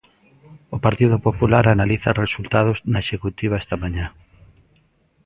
O Partido Popular analiza resultados na executiva esta mañá.